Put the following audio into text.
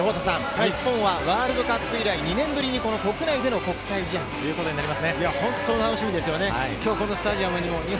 日本はワールドカップ以来、２年ぶりにこの国内での国際試合ということになりますね。